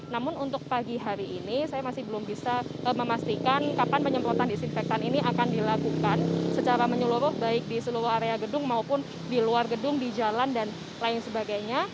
namun untuk pagi hari ini saya masih belum bisa memastikan kapan penyemprotan disinfektan ini akan dilakukan secara menyeluruh baik di seluruh area gedung maupun di luar gedung di jalan dan lain sebagainya